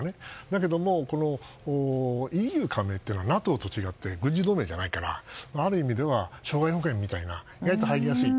だけども、ＥＵ加盟ってのはＮＡＴＯと違って軍事同盟じゃないからある意味では社会保険みたいな意外と入りやすい。